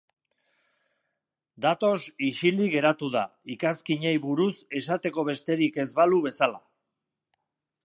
Datos isilik geratu da, ikazkinei buruz esateko besterik ez balu bezala.